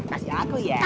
kasih aku ya